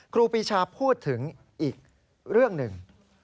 ครูปีชาพูดถึงอีกเรื่องหนึ่ง